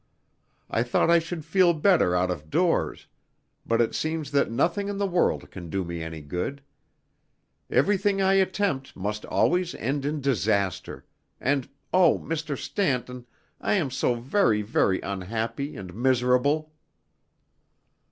I thought I should feel better out of doors, but it seems that nothing in the world can do me any good. Everything I attempt must always end in disaster, and oh, Mr. Stanton, I am so very, very unhappy and miserable!"